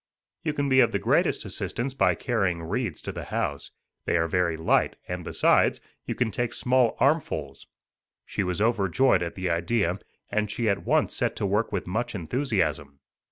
"You can be of the greatest assistance by carrying reeds to the house. They are very light, and, besides, you can take small armfulls." She was overjoyed at the idea, and she at once set to work with much enthusiasm.